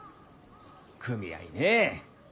組合ねえ。